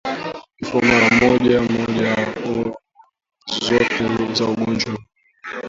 Kifo mara moja moja mnyama anaweza kufa bila kuonyesha dalili zozote za ugonjwa huu